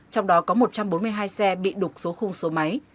trong đó có một trăm bốn mươi hai xe bị đục số khung số máy